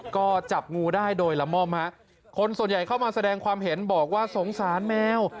ก็จับงูได้โดยละม่อมฮะคนส่วนใหญ่เข้ามาแสดงความเห็นบอกว่าสงสารแมว